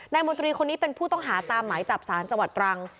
มนตรีคนนี้เป็นผู้ต้องหาตามหมายจับสารจังหวัดตรัง